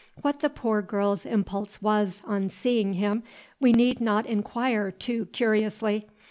What the poor girl's impulse was, on seeing him, we need not inquire too curiously.